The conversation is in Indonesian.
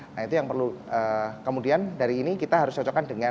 nah itu yang perlu kemudian dari ini kita harus cocokkan dengan